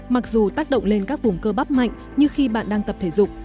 mặc dù tác động lên các vùng cơ bắp mạnh như khi bạn đang tập thể dục